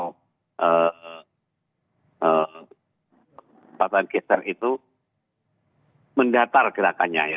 kabupaten geser itu mendatar gerakannya ya